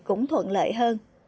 cũng thuận lợi hơn